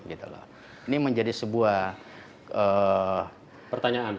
ini menjadi sebuah pertanyaan